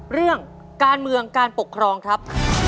เรื่องการเมืองการปกครองครับ